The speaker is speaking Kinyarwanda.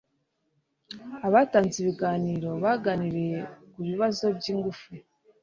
Abatanze ibiganiro baganiriye ku bibazo by’ingufu